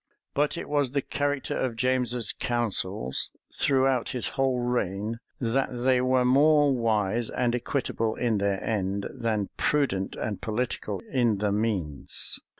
But it was the character of James's councils, throughout his whole reign, that they were more wise and equitable in their end, than prudent and political in the means.